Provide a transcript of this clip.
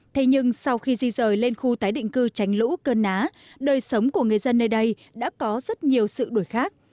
thế nhưng sau khi di rời lên khu tái định cư tránh lũ cơn á đời sống của người dân nơi đây đã có rất nhiều sự đổi khác